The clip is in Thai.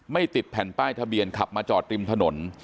ติดแผ่นป้ายทะเบียนขับมาจอดริมถนน